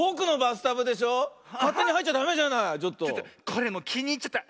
これもうきにいっちゃった。